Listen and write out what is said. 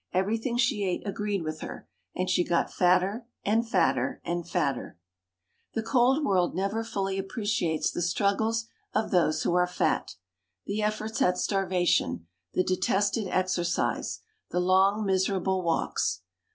Everything she ate agreed with her, and she got fatter and fatter and fatter. The cold world never fully appreciates the struggles of those who are fat the efforts at starvation, the detested exercise, the long, miserable walks.